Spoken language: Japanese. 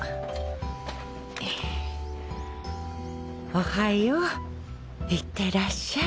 おはよう行ってらっしゃい。